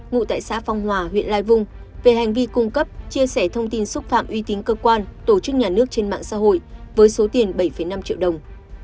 ngụ tại xã phong hòa huyện lai vung về hành vi cung cấp chia sẻ thông tin xúc phạm uy tín cơ quan tổ chức nhà nước trên mạng xã hội với số tiền bảy năm triệu đồng